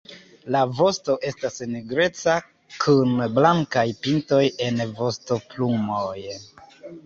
La vosto estas nigreca kun blankaj pintoj en vostoplumoj.